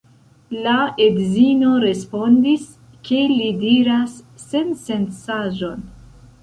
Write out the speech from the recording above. La edzino respondis, ke li diras sensencaĵon.